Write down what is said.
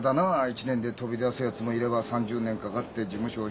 １年で飛び出すやつもいれば３０年かかって事務所を開くやつもいる。